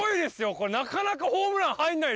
これなかなかホームラン入らないですよ